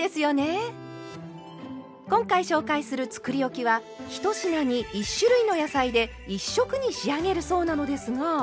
今回紹介するつくりおきは１品に１種類の野菜で１色に仕上げるそうなのですが。